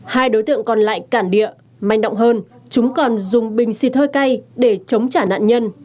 hai đối tượng còn lại cản địa manh động hơn chúng còn dùng bình xịt hơi cay để chống trả nạn nhân